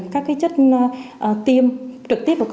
các chất tiêm trực tiếp vào cơ sở